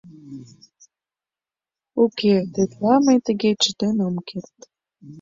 «Уке, тетла мый тыге чытен ом керт!